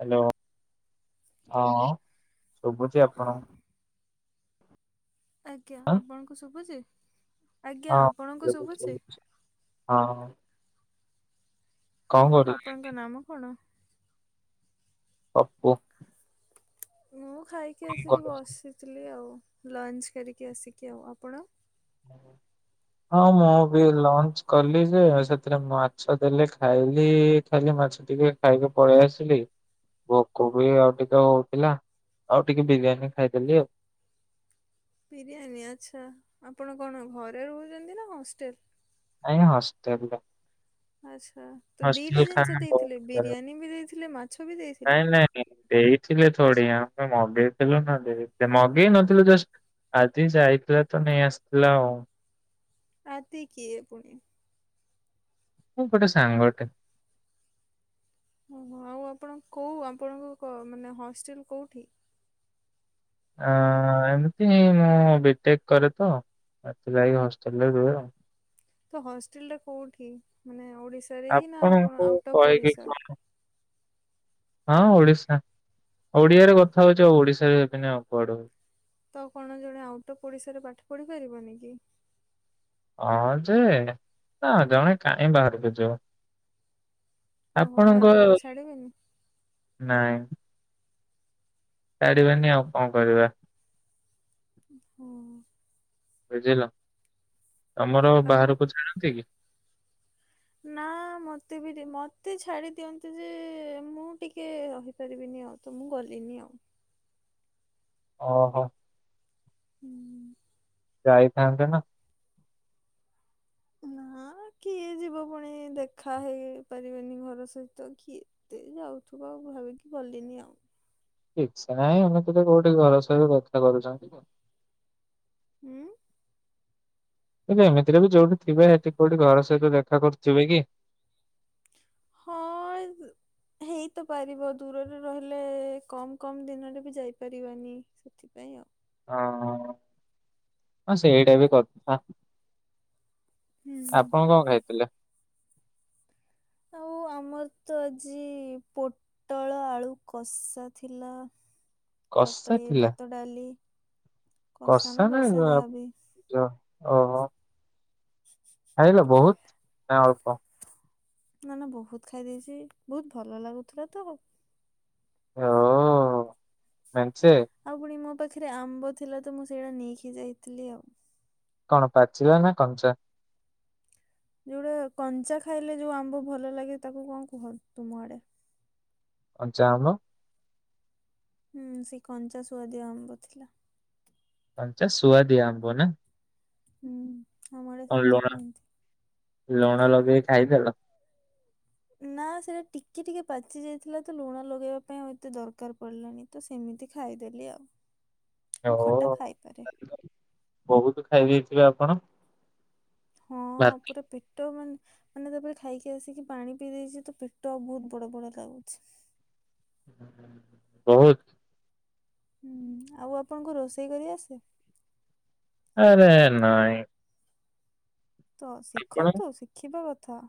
Hello ଅଁ ଶୁଭୁଚି ଆପଣ ଆଜ୍ଞା ଆଁ ଆପଣଙ୍କୁ ଶୁବୁଚି ଆଜ୍ଞା ହଁ ଆପଣଙ୍କୁ ଶୁଭୁଛି ଶୁବୁଚି? ଶୁଭୁଛି। ହଁ। କଣ ଆଉ କରୁଥିଲେ ଆପଣଙ୍କ ନାମ କଣ? ପପୁ। ମୁଁ ଖାଇକି ଆସିକି କଣ କରୁଥିଲେ? ବସିଥିଲି ଆଉ ଲଞ୍ଚ କରିକି ଆସିକି ଆଉ ଆପଣ? ମୁଁ। ହଁ ମୁଁ ବି ଲଞ୍ଚ କଲି ଯେ ସେଥିରେ ମାଛ ଦେଲେ ଖାଇଲି। ଖାଲି ମାଛ ଟିକେ ଖାଇକି ପଳେଇ ଆସିଲି। ଭୋକ ବି ଆଉ ଟିକେ ଅଉଥିଲା ଆଉ ଟିକେ ବିରିୟାନୀ ଖାଇଦେଲି ଆ ବିରିୟାନୀ ଆଚ୍ଛା ଆପଣ କଣ ଘରେ ରହୁଚନ୍ତି ନା ହଷ୍ଟେଲ? ନାଇଁ ହଷ୍ଟେଲ୍ ଲେ। ଆଚ୍ଛା ତ ଦିଟା ଜିନିଷ ଖାନା ବହୁତ ଦେଇଥିଲେ ଖରାପ ବିରିୟାନୀ ବି ଦେଇଥିଲେ ମାଛ ବି ଦେଇଥିଲେ? ନାଇଁ ନାଇଁ ଦେଇଥିଲେ ଥୋଡିନା ଆମେ ମଗେଇଥିଲୁ ନା ଦେଇଥି ମଗେଇ ନଥିଲୁ ଜଷ୍ଟ୍ ଆଦି ଯାଇଥିଲା ତ ନେଇ ଆସତିଲା ଆଉ। ଆଦି କିଏ ପୁଣି? ଉୁଁ ପୋଟେ ସାଙ୍ଗଟେ। ଓହୋ ଆଉ ଆପଣ କୋଉ ଆପଣଙ୍କ କ ମାନେ ହଷ୍ଟେଲ୍ କୋଉଠି? ଆ ଏମିତି ମୁଁ ବିଟେକ୍ କରେ ତ ଏଥିଲାଗି ହଷ୍ଟେଲରେ ରୁଏ ଆଉ। ତ ହଷ୍ଟେଲଟା କୋଉଠି? ମାନେ ଓଡିଶ୍ ଆପଣଙ୍କୁ କହିକି କଣ? ହଁ ଓଡିଶା ଓଡିଆରେ କଥା ହଉଚ ଓଡିଶା ଏବିନି କୁଆଡୁ ହେ ତ କଣ ଜଣେ ଆଉଟ୍ ଅଫ୍ ଓଡ଼ିଶାରେ ପାଠ ପଢ଼ିପାରିବନି କି? ଅଁ ଯେ ନା ଜଣେ କାହିଁ ବାହାରକୁ ଯିବ? ଓହୋ ଆପଣଙ୍କ ଘର ଲୋକ ଛାଡିବେନି ନାଇଁ। ତାଡିବାନି ଆଉ କଁ କରିବା। ଉଁ ହୋ। ବୁଝିଲ ତମର ଆଉ ବାହାରକୁ ଛାଡନ୍ତି କି? ନା ମତେ ବି ଦି ମତେ ଛାଡ଼ି ଦିଅନ୍ତି ଯେ ମୁଁ ଟିକେ ରହି ପାରିବିନି ଆଉ ତ ମୁଁ ଗଲିନି ଆଉ। ଓହୋ। ଉୁଁ। ଯାଇଥାନ୍ତେ ନା। ନା କିଏ ଯିବ ପୁଣି ଦେଖା ହେଇପାରିବେନି ଘର ସହିତ କିଏ ତେ ଯାଉଥୁବ ଭାବିକି ଗଲିନି ଆଉ। ଇଚ୍ଛା ନାଇଁ ଏମିତିରେ କୋଉଠି ଘର ସହିଅ କଥା କରୁଚନ୍ତି। ଉୁଁ। ଏବେ ଏମିତିରେ ବି ଯୋଉଠି ଥିବେ ହେଠି କୋଉଠି ଘର ସହିତ ଦେଖା କରୁଥୁବେ କି? ହଁ। ହେଇତ ପାରିବ ଦୂରରେ ରହିଲେ କମ୍ କମ୍ ଦିନରେ ବି ଯାଇପାରିବନି ସେ ଥିପାଇଁ ଆଉ। ହଁ ହଁ ଅଁ ସେଇଟାବି କଥା। ହୁଁ। ଆପଣ କଁ ଖାଇତିଲେ? ଆଉ ଆମର ତ ଆଜି ପୋ ଟଳ ଆଳୁ କଷା ଥିଲା। କଷା ତାପରେ ଥିଲା ଭାତ, ଡାଲି କଷା ନା ରସା ଯାହାବି। ଯ ଓହୋ। ହ [inaudible] ଖାଇିଲ ବହୁତ ନା ଅଳ୍ପ। ନା ନା ବହୁତ ଖାଇ ଦେଇଛି ବହୁତ ଭଲ ଲାଗୁଥିଲା ତ। ଓ ମେଞ୍ଚେ ଆଉ ପୁଣି ମୋ ପାଖରେ ଆମ୍ବ ଥିଲା ତ ମୁଁ ସେଇଟା ନେଇକି ଯାଇଥିଲି ଆଉ। କଣ ପାଚିବା ନା କଞ୍ଚା। ଯୋଉଟା କଞ୍ଚା ଖାଇଲେ ଯୋଉ ଆମ୍ବ ଭଲ ଲାଗେ ତାକୁ କଣ କୁହନ୍ତ ତୁମ ଆଡେ। କଞ୍ଚା ଆମ୍ବ। ହୁଁ ସେ କଞ୍ଚା ସୁଆଦିଆ ଆମ୍ବ ଥିଲା। କଞ୍ଚା ସୁଆଦିଆ ଆମ୍ବ ନା। ହୁଁ ଆମଆଡେ କଣ ସେମିତି ଲୁଣ ଖାନ୍ତି। ଲୁଣ ଲଗେଇକି ଖାଇଦେଲ। ନା ସେଇଟା ଟିକେ ଟିକେ ପାଚି ଯାଇଥିଲା ତ ଲୁଣ ଲଗେଇବା ପାଇଁ ଆଉ ଏତେ ଦରକାର ପଡିଲାନି। ତ ସେମିତି ଖାଇଦେଲି ଆଉ। [unintelligible] ମୁଁ ଖଟା ଖାଇପାରେ। ବହୁତ ଖାଇ ଦେଇେଇଥିବେ ଆପଣ। ହଁ ଭାତ ପୁରା ପେ ପେଟ ମାନେ ମାନେ ତାପରେ ଖାଇକି ଆସିକି ପାଣି ପିଇ ଦେଇଛି ତ ପେଟ ବହୁତ ବଡ ବଡ ଲାଗୁଛି। ବହୁତ। ହୁଁ ଆଉ ଆପଣଙ୍କୁ ରୋଷେଇ କରି ଆସେ। ଆରେ ନାଇଁ। ତ ଆପଣ ଶିଖନ୍ତୁ ଶିଖିବା କଥା।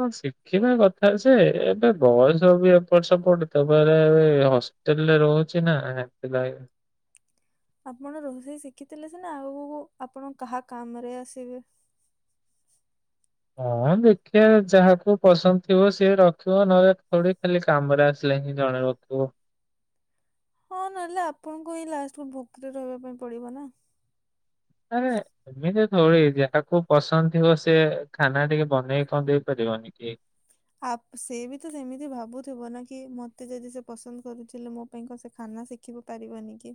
ହଁ ଶିଖିବା କଥା ଯେ ଏବେ ବୟସ ବି ଏପଟ ସେପଟ ଦବାରେ ବି ହସ ତେଲେ ରହୁଚି ନା ହେଥିପାଇଁ। ଆପଣ ରୋଷେଇ ଶିଖିଥିଲେ ସିନା ଆଗକୁ ଆପଣ କାହା କାମ ରେ ଆସିବେ। ହଁ ଦେଖିବା ଯାହାକୁ ପସନ୍ଦ ଥିବ ସିଏ ରଖିବ ନହଲେ ଥୋଡ଼ିଖା କାମରେ ଆସିଲେ ହିଁ ଜଣେ ରଖିବ। ହଁ ନହେଲେ ଆପଣଙ୍କୁ ହିଁ ଲାଷ୍ଟକୁ ଭୁକରେ ରହିବା ପାଇଁ ପଡିବ ନା। ଆରେ। ଏମିତି ଥିଦି ଯାହାକୁ ପସନ୍ଦ ଥିବ ସେ ଖାନା ଟିକେ ବନେଇକି କଣ ଦେଇ ପାରିବନି କି। ଆ ସେ ବି ତ ସେମିତି ଭାବୁଥିବ ନା କି ମତେ ଯଦି ସେ ପସନ୍ଦ କରୁଥିଲେ ମୋ ପାଇଁ କଣ ସେ ଖାନା ଶିଖ ଦେଖିବ ପାରିବନି କି।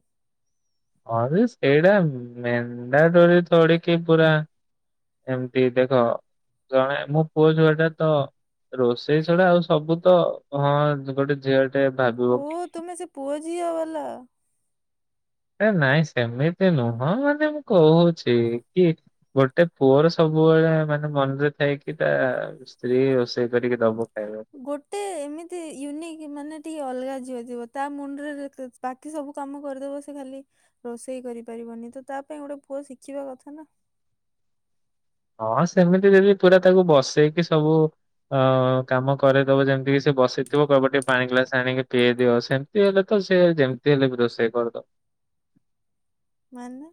ହଁ ସେଇଟା ମେଣ୍ଢାଡୋରି ଥଡିକି ପୁରା ଏମତି ଦେଖ ଜଣେ ମୁଁ ପୁଆ ଛୁଆଟା ତ ରୋଷେଇ ଛଡା ଆଉ ସବୁ ତ ହଁ ଗୋଟେ ଝିଅ ଟେ ଓ ଭାବିବ। ତୁମେ ସେ ପୁଅଝିଅ ବାଲା। ଏ ନାଇଁ ସେମିତି ନୁହଁ ମାନେ ମୁଁ କହୁଛି କି। ଗୋଟେ ପୁଅର ସବୁବେଳେ ମାନେ ମନରେ ଥାଇକି ତା। ସ୍ତ୍ରୀ ରୋଷେଇ କରିକି ଦବ ଖାଇବାକୁ। ଗୋଟେ ଏମିତି ୟୁନିକ୍ ମାନେ ଟିକେ ଅଲଗା ଝିଅ ଥିବା ତା ମୁଣ୍ଡରେ। ବାକି ସବୁ କାମ କରିଦେବ ସେ ଖାଲି ରୋଷେଇ କରିପାରିବନି ତ ତା ପାଇଁ ଗୋଟେ ପୁଅ ଶିଖିବା କଥା ନା। ହଁ ସେମିତି ଯଦି ପୁରା ତାକୁ ବସେଇକି ସବୁ ଅ କାମ କରେଦବ ଯେମିତି କି ସେ ବସେଇଥିବ କବ ଟିକେ ପାଣି ଗ୍ଲାସ ଆଣିକି ପିଆଇ ଦିଅ ସେ ହେଲେ ତ ସେ ଯେମିତି ହେଲେ ବି ରୋଷେଇ କରଦବ। ମାନେ।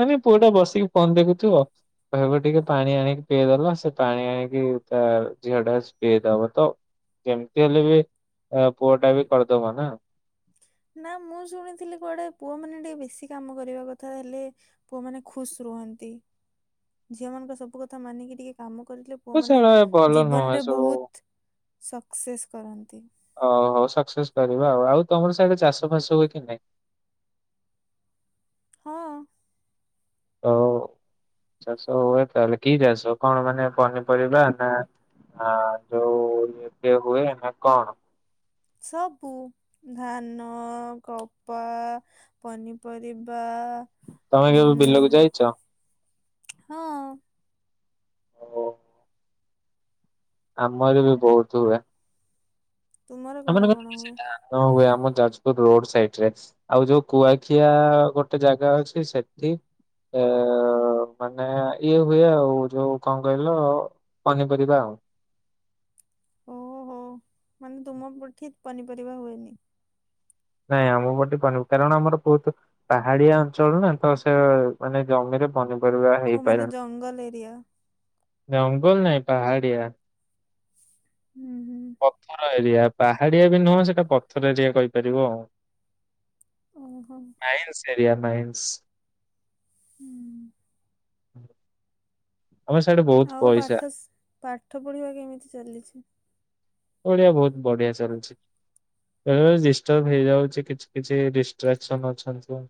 ମାନେ ପୁଅଟା ବସିକି ଫୋନ ଦେଖୁଥିବ। କହିବ ଟିକେ ପାଣି ଆଣିକି ପିଇଦବା ସେ ପାଣି ଆଣିକି ତା ଝିଅ ଟା ପିଇଦବ ତ କେମିତି ହେଲେ ବି କୁଅ ଟା ବି କରିଦବା ନା। ନା ମୁଁ ଶୁଣିଥିଲି କୁଆଡେ ପୁଅ ମାନେ ଟିକେ ବେଶୀ କାମ କରିବା କଥା ହେଲେ। ପୁଅମାନେ ଖୁସ ରୁହନ୍ତି ଝିଅ ମାନଙ୍କ ସବୁ କଥା ମାନିକି ଟିକେ କାମ କରିଥି ତ ପୁଅମାନେ ସେଗୁଡା ଭଲ ନୁହଁ ଏ ଜୀବନରେ ସବୁ। ବହୁତ ସକ୍ସେସ୍ କରନ୍ତି। ଓହୋ ସକ୍ସେସ୍ କରିବା ଆଉ ଆଉ ତମର ସିଆଡେ ଚାଷ ଫାସ ହୁଏ କି ନାଇଁ? ହଁ। ହଉ ଚାଷ ହୁଏ ତାହଲେ କି ଚାଷ କଣ ମାନେ ପନିପରିବା ନା ହ ଯୋଉ ଇଏ ହୁଏ ନା କଣ? ସବୁ ଧାନ କପା ପନିପରିବା। ତମେ କେବେ ବିଲକୁ ଯାଇଚ? ଉଁ ହଁ। ହୋଉ। ଆମର ବି ବହୁତ ହୁଏ। ତୁମର କଣ କଣ ଆମମାନଙ୍କ ହୁଏ? ସେଇ ଧାନ ହୁଏ ଆମ ଯାଜପୁର ରୋଡ ସାଇଟରେ। ଆଉ ଯୋଉ କୁଆଖିଆ ଗୋଟେ ଜାଗା ଅଛି ସେଠି। ଏ ମାନେ ଇଏ ହୁଏ ଆଉ ଯୋଉ କଣ କହିଲ ପନିପରିବା ଆଉ। ଓହୋ ମାନେ ତୁମ ପଟେ ପନିପରିବା ହୁଏନି। ନାଇଁ ଆମ ପଟେ ପନିବୁ କାରଣ ଆମର ବହୁତ ପାହାଡିଆ ଅଞ୍ଚଳ ନା ତ ସେ ମାନେ ଜମିରେ ପନି ପରିବା ଓ ମାନେ ହେଇପାରୁନି ଜଙ୍ଗଲ ଏରିଆ। ଜଙ୍ଗଲ ନାଇଁ ପାହାଡିଆ। ହୁଁ। ହୁଁ। ପଥର ଏରିଆ ପାହାଡିଆ ବି ନୁହଁ ସେଇଟା ପଥର ଏରିଆ କହିପାରିବ ଆଉ। ଓହୋ। Mines area mines. ହୁଁ। [inaudible] ତମ ସିଆଡେ ବହୁତ ଆଉ ପଇସା ପାଠ ପାଠ ପଢ଼ିବା କେମିତି ଚାଲିଛି? ଓଢିଆ ବହୁତ ବଢିଆ ଚାଲୁଚି। ଏ ଡିଷ୍ଟରବ ହେଇଯାଉଛି କିଛି କିଛି ଡିଷ୍ଟ୍ରାକ୍ସନ ଅଛନ୍ତି।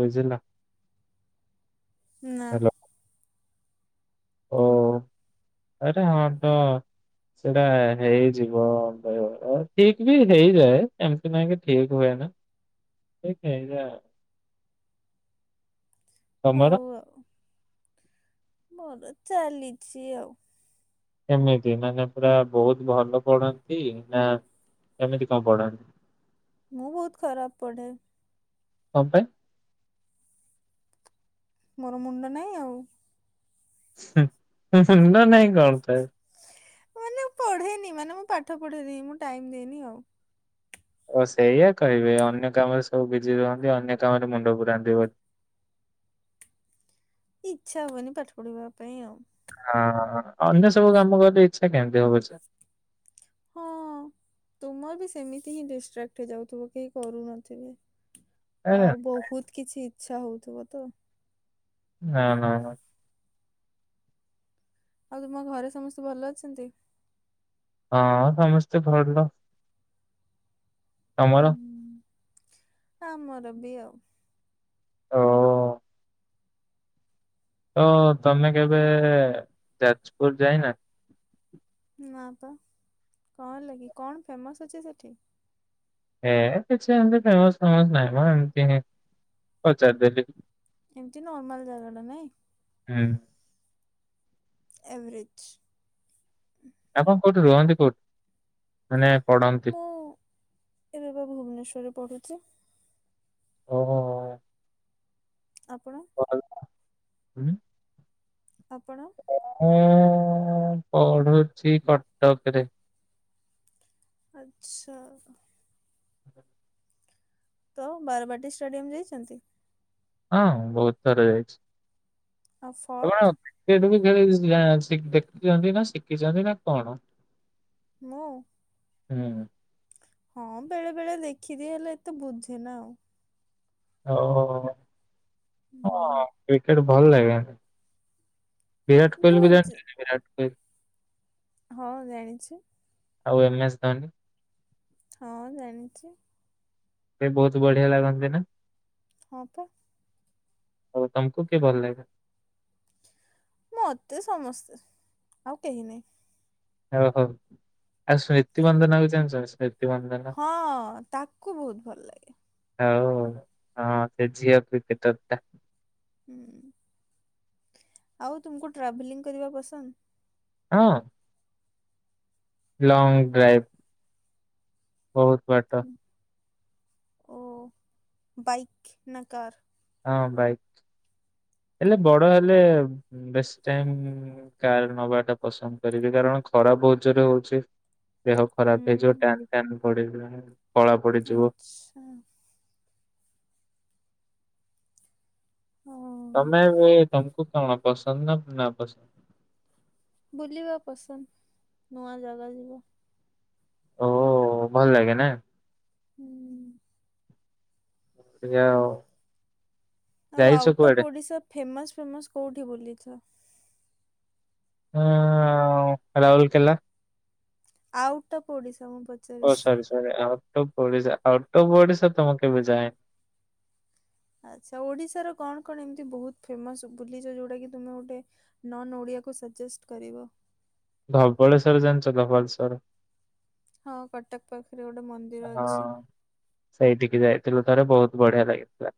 ବୁଝିଲ। ନା। ହ୍ୟାଲୋ ଓ ଆରେ ହଁ ତ ସେଇଟା ହେଇଯିବ ବେଳେ ବେଳେ ଠିକ ବି ହେଇଯାଏ ଏମ ନାଇକି ଠିକ ହୁଏ ନା ଠିକ ହେଇଯାଏ ଆଉ। ତମର। କୁହ। ମୋର ଚାଲିଛି ଆଉ। କେମିତି ମାନେ ପୁରା ବହୁତ ଭଲ ପଢନ୍ତି ନା କେମିତି କଣ ପଢନ୍ତି? ମୁଁ ବହୁତ ଖରାପ ପଢ଼େ। କଣ ପାଇଁ? ମୋର ମୁଣ୍ଡ ନାଇଁ ଆଉ। ହୁଂ ହୁଂ ହୁଂ ମୁଣ୍ଡ ନାଇଁ କଣ ଥାଏ? ମାନେ ପଢେନି ମାନେ ମୁଁ ପାଠ ପଢେନି ମୁଁ ଟାଇମ ଦିଏନି ଆଉ। ଓ ସେଇଆ କହିବେ ଅନ୍ୟ କାମରେ ସବୁ ବିଜି ରୁହନ୍ତି ଅନ୍ୟ କାମରେ ମୁଣ୍ଡ ପୁରାନ୍ତି ବୋଲି। ଇଚ୍ଛା ହୁଏନି ପାଠ ପଢିବା ପାଇଁ ଆଉ। ହଁ ହଁ ଅନ୍ୟ ସବୁ କାମ କଲେ ଇଚ୍ଛା କେମିତି ହବ ଯେ? ହଁ। ତୁମର ବି ସେମିତି ହିଁ ଡିଷ୍ଟ୍ରାକ୍ଟ ହେଇଯାଉଥିବ କେହି କରୁନଥିବେ। ଆରେ ଆଉ ବହୁତ କିଛି ଇଛା ହଉଥିବ ତ। ନା ନା ନା। ଆଉ ତୁମ ଘରେ ସମେସ୍ତେ ଭଲ ଅଛନ୍ତି? ହଁ ସମେସ୍ତେ ଭଲ। ତମର? ହୁଁ। ଆମର ବି ଆଉ। ଓ। ତ ତମେ କେବେ ଯାଜପୁର ଯାଇନା? ନା ତ କଁ ହେଲା କିି କଣ ଫେମସ୍ ଅଛି ସେଠି? ହେ କିଛି ଏମତି ଫେମସ୍ ଫେମସ୍ ନାହିଁ ମ ଏମତି ପଚାରିଦେଲି। ଏମତି ନର୍ମାଲ୍ ଜାଗାଟା ନାଇଁ। ହୁଁ। ଏଭରେଜ୍। ଆପଣ କୋଉଠି ରୁହନ୍ତି କୋଉ ମାନେ ପଢନ୍- ମୁଁ ଏବେ ବା ଭୁବନେଶ୍ୱରରେ ପଢୁଚି। ଓ ହୋ ହୋ। ଆପଣ? [unintelligible] ହୁଁ। ଆପଣ ମୁଁ ପଢୁଛି କଟକରେ। ଆଚ୍ଛା। ତ ବାରବାଟୀ ଷ୍ଟାଡିୟମ୍ ଯାଇଚନ୍ତି? ହଁ ବୋହୁତ ଥର ଯାଇଛି। ଆଉ ଆପଣ ଫର୍ଟ? କ୍ରିକେଟ୍ ବି ଖେଳିଆ [unintelligible] ଶିଖ୍ ଦେଖ୍ ଦେଖିଛନ୍ତି ନା ଶିଖିଛନ୍ତି ନା କଣ? ମୁଁ? ହୁଁ। ହଁ ବେଳେ ବେଳେ ଦେଖି ଦିଏ ହେଲେ ଏତେ ବୁଝେନା ଆଉ। ଓ ହୋ ହଁ କ୍ରିକେଟ୍ ଭଲ ଲାଗେନି। ବିରାଟ କୋହିଲିକୁ ବୁଝେ ଜାଣିଚନ୍ତି ବିରାଟ କୋହିଲ? ହଁ ଜାଣିଛି। ଆଉ ଏମ୍ ଏସ୍ ଧୋନି। ହଁ ଜାଣିଛି। ବି ବୋହୁତ ବଢିଆ ଲାଗନ୍ତି ନା? ହଁ ପା। ଆଉ ତମକୁ କିଏ ଭଲ ଲାଗେ? ମତେ ସମସ୍ତେ ଆଉ କେହି ନେଇଁ। ହଉ ହଉ ଆଉ ସ୍ମ୍ରିତି ମନ୍ଦନାକୁ ଜାଣିଚ ସ୍ମ୍ରି ହଁ ତାକୁ ବୋହୁତ ଭଲ ଲାଗେ। ଆଉ ହଁ ସେ ଝିଅ କ୍ରିକେଟରଟା। ହୁଁ। ଆଉ ତୁମକୁ ଟ୍ରାଭେଲିଂ କରିବା ପସନ୍ଦ? ହଁ। Long drive. ବୋହୁତ ବାଟ। ଓ ବାଇକ୍ ନା କାର୍? ହଁ ବାଇକ୍ ହେଲେ ବଡ ହେଲେ ବେଶୀ ଟାଇମ୍ ଉଁ କାର୍ ନବାଟା ପସନ୍ଦ କରିବି କାରଣ ଖରା ବୋହୁତ ଜୋରେ ହଉଚି। ଦେହ ଖରାପ ହେଇଯିବ ହୁଁ ଟ୍ୟାନ୍ ଟ୍ୟାନ୍ ପଡିଯିବ। କଳା ପଡିଯିବ। ଆଚ୍ଛା। ହଁ ତମେ ଏବେ ତମକୁ କଣ ପସନ୍ଦ ନା ନାପସନ୍ଦ? ବୁଲିବା ପସନ୍ଦ ନୂଆ ଜାଗା ଯିବା। ଓ ଭଲ ଲାଗେ ନା। ହୁଁ। ସେଇୟା ଆଉ। ଆଉ ଯାଇଛ ଆଉଟ କୁଆଡେ? ଅଫ ଓଡିଶା ଫେମସ ଫେମସ କୋଉଠି ବୁଲିଚ? ଆଁ ଉଁ ରାଉଲୁକେଲା। ଆଉଟ ଅଫ ଓଡିଶା ମୁଁ ପ ଓ sorry sorry out of Odisha. Out of Odisha ତ ମୁଁ କେବେ ଯାଇନି। ଆଚ୍ଛା ଓଡିଶାର କଣ କଣ ଏମିତି ବୋହୁତ ଫେମସ ବୁଲିଚ ଯୋଉଟା କି ତମେ ଗୋଟେ ନନ ଓଡିଆକୁ ସଜେଷ୍ଟ କରିବ। ଧବଳେଶ୍ଵର ଜାଣିଚ ଧବଳେଶର। ହଁ କଟକ ପାଖରେ ଗୋଟେ ମନ୍ଦିର ହଁ ଅଛି। ସେଇଠିକି ଯାଇଥିଲୁ ଥରେ ବୋହୁତ ବଢିଆ ଲାଗିଥିଲା।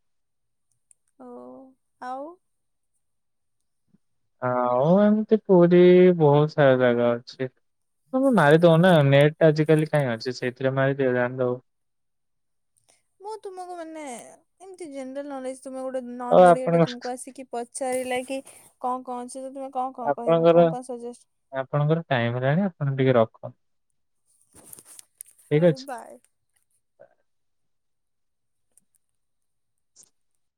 ଓ ଆଉ। ଆଉ ଏମିତି ପୁରି ବୋହୁତ ସାରା ଜାଗା ଅଛି। ତମେ ମାରିଦଉନା ନେଟ୍ ଟା ଆଜିକାଲି କାଇଁ ଅଛି। ସେଥିରେ ମାରିଦଅ ଜାଣିଦବ। ମୁଁ ତୁମକୁ ମାନେ ଏମତି ଜେନେରାଲ ନଲେଜ ତୁମେ ଗୋଟେ ଆଉ ନନ ଓଡିଆଟେ ଆପଣଙ୍କ ତୁମକୁ ଆସିକି ପଚାରିଲା କି କଣ କଣ ଅଛି ତୁମେ କଣ କଣ କହିବ ଆପଣଙ୍କର କଣ କଣ ସଜେଷ୍ଟ ଆପଣଙ୍କର ଟାଇମ୍ ହେଲାଣି ଆପଣ ଟିକେ ରଖନ୍ତୁ। ଠିକ୍ ହୋଉ ଅଛି। ବାଏ।